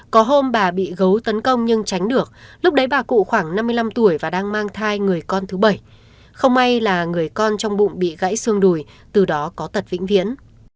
cụ phú trăm tuổi và đang mang thai người con thứ bảy không may là người con trong bụng bị gãy xương đùi từ đó có tật vĩnh viễn